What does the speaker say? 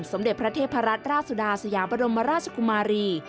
สมเด็จพระเทพรัตนราชสุดาสยามบรมราชกุมารี